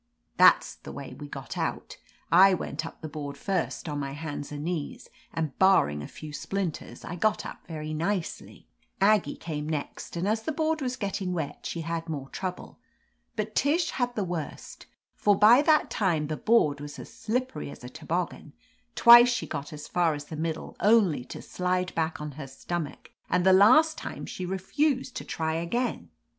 That's the way we got out. I went up the board first, on my hands and knees, and bar ring a few splinters I got up very nicely. Aggie came next, and as the board was getting wet she had more trouble. But Tish had the worst, for by that time the board was as slip pery as a toboggan ; twice she got as far as the middle, only to slide back on her stomach, and the last time she refused to try again.